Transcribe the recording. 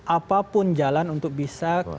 apapun jalan untuk bisa